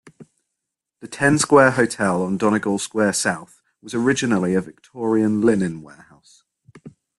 The Ten Square Hotel on Donegall Square South was originally a Victorian linen warehouse.